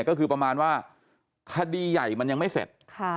ก็คือประมาณว่าคดีใหญ่มันยังไม่เสร็จ